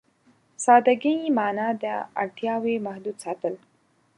سادهګي معنا ده اړتياوې محدود ساتل.